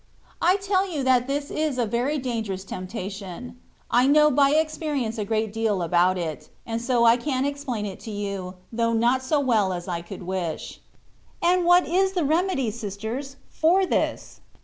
I tell you that this is a very dangerous tempta tion. I know by experience a great deal about it, and so I can explain it to you, though not so well as I could wish. And what is the remedy, sisters, for this